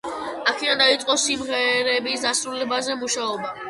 აქედან დაიწყო სიმღერების დასრულებაზე მუშაობა.